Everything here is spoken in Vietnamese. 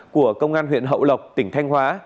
của công an huyện hậu lộc tỉnh thanh hóa